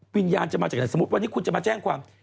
วิญญาณจะมาจากไหนสมมุติวันนี้คุณจะมาแจ้งความ